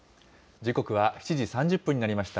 時刻は７時３０分になりました。